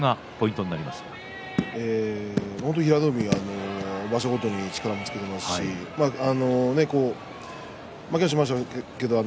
平戸海は場所ごとに力をつけていますし負けはしましたけど